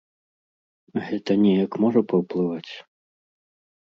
Гэта неяк можа паўплываць?